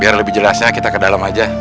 biar lebih jelasnya kita ke dalam aja